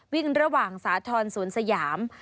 วิ่งระหว่างสาธรณ์สวนสยาม